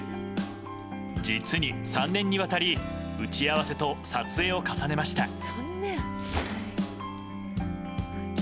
実に３年にわたり打ち合わせと撮影を重ねました。